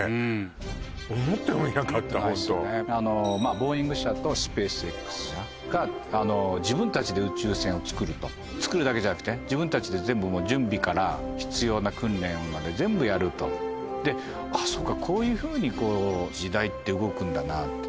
ボーイング社とスペースＸ社が自分たちで宇宙船をつくるとつくるだけじゃなくて自分たちで全部もう準備から必要な訓練まで全部やるとでこういうふうに時代って動くんだなって